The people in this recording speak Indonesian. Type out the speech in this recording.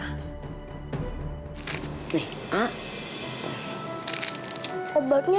semoga gak terjadi apa apa dengan mas yuda dan nondara